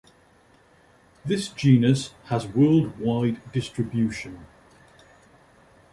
This genus has worldwide distribution.